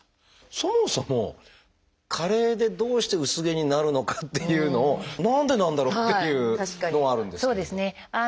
そもそも加齢でどうして薄毛になるのかっていうのを何でなんだろうっていうのはあるんですけれども。